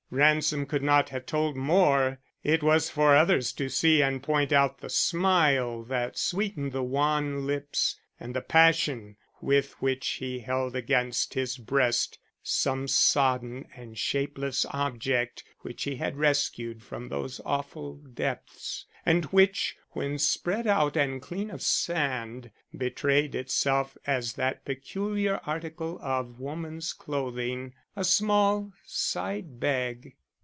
Ransom could not have told more; it was for others to see and point out the smile that sweetened the wan lips, and the passion with which he held against his breast some sodden and shapeless object which he had rescued from those awful depths, and which, when spread out and clean of sand, betrayed itself as that peculiar article of woman's clothing, a small side bag.